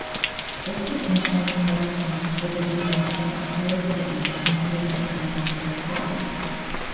This distinction corresponds to the distinction of Hero City and City of Military Glory.